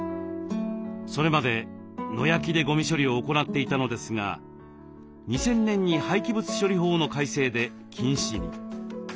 それまで野焼きでゴミ処理を行っていたのですが２０００年に廃棄物処理法の改正で禁止に。